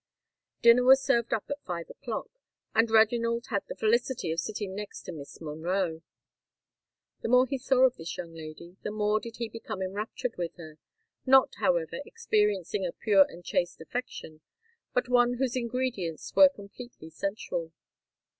Dinner was served up at five o'clock; and Reginald had the felicity of sitting next to Miss Monroe. The more he saw of this young lady, the more did he become enraptured with her,—not, however, experiencing a pure and chaste affection, but one whose ingredients were completely sensual.